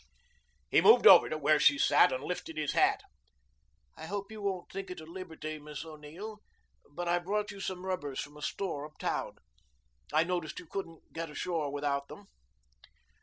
He moved over to where she sat and lifted his hat. "I hope you won't think it a liberty, Miss O'Neill, but I've brought you some rubbers from a store uptown. I noticed you couldn't get ashore without them."